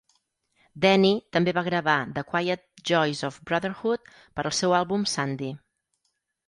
Denny també va gravar "The Quiet Joys of Brotherhood" per al seu àlbum "Sandy".